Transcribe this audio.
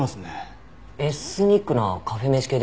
エスニックなカフェ飯系でしょうか？